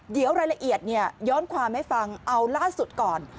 เดี๋ยวรายละเอียดย้อนความให้ฟังเอาล่าสุดก่อน